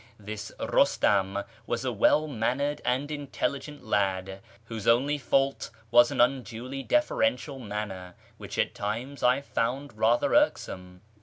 This Eustam was a well mannered and intelligent lad, whose only fault was an unduly deferential manner, which at times I found rather irksome.